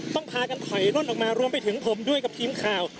พากันถอยล่นออกมารวมไปถึงผมด้วยกับทีมข่าว